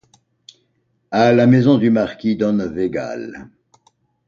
À la maison du marquis don Végal!